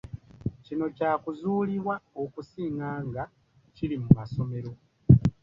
Kino kyazuulibwa okusinga nga kiri mu masomero